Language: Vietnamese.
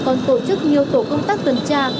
còn tổ chức nhiều tổ công tác tuần tra